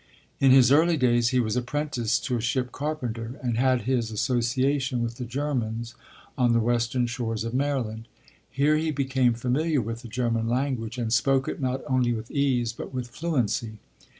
In his early days he was apprenticed to a ship carpenter, and had his association with the Germans on the western shores of Maryland. Here he became familiar with the German language and spoke it not only with ease but with fluency.